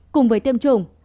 cùng với tiêm chủng